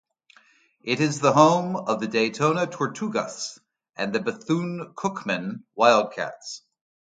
It is the home of the Daytona Tortugas and the Bethune-Cookman Wildcats.